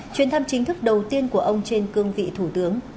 chuyến thăm chính thức đầu tiên của ông trên cương vị thủ tướng